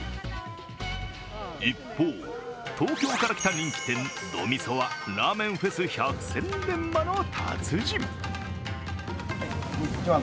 一方、東京から来た人気店、ど・みそはラーメンフェス百戦錬磨の達人。